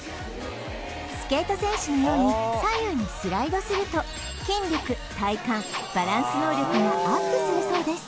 スケート選手のように左右にスライドすると筋力体幹バランス能力もアップするそうです